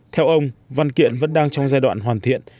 theo ông văn kiện vẫn đang trong giai đoạn hoàn thiện